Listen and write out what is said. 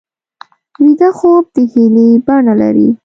ویده خوب د هیلې بڼه لري